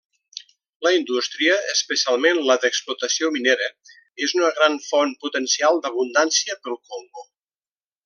La indústria, especialment la d'explotació minera, és una gran font potencial d'abundància pel Congo.